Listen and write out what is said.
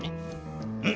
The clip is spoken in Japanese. うん！